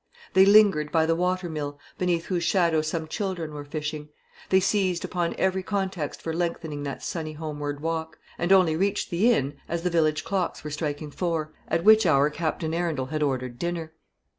They lingered by the water mill, beneath whose shadow some children were fishing; they seized upon every pretext for lengthening that sunny homeward walk, and only reached the inn as the village clocks were striking four, at which hour Captain Arundel had ordered dinner.